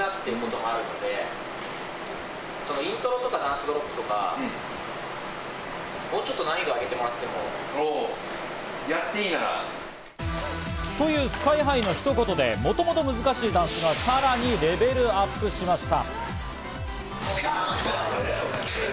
しかし。というＳＫＹ−ＨＩのひと言でもともと難しいダンスがさらにレベルアップしました。